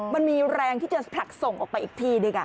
มันมีแรงที่จะผลักส่งออกไปอีกทีนึง